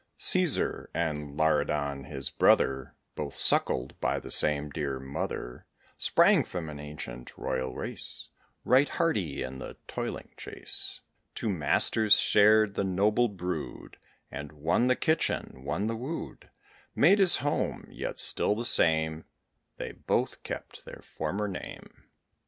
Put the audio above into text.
Cæsar and Laridon, his brother, Both suckled by the same dear mother, Sprang from an ancient royal race; Right hardy in the toiling chase. Two masters shared the noble brood; And one the kitchen, one the wood Made his home. Yet still the same, They both kept their former name.